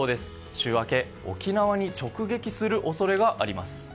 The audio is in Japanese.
週明け、沖縄に直撃する恐れがあります。